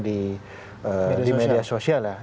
di media sosial ya